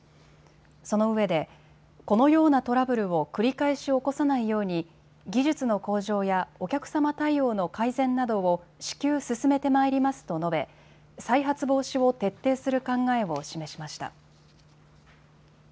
そのうえでこのようなトラブルを繰り返し起こさないように技術の向上やお客様対応の改善などを至急、進めてまいりますと述べ再発防止を徹底する考えを示しました。